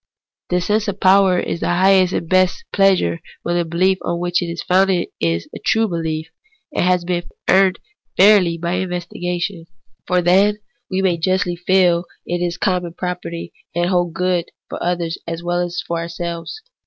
This sense of power is the highest and best of pleasures when the behef on which it is founded is a true behef, and has been fairly earned by investigation. For then we may justly feel that it is common property, and holds good for others as well as for ourselves.